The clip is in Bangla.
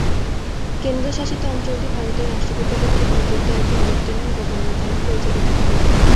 কেন্দ্রশাসিত অঞ্চলটি ভারতের রাষ্ট্রপতি কর্তৃক নিযুক্ত একজন লেফটেন্যান্ট গভর্নর দ্বারা পরিচালিত হবে।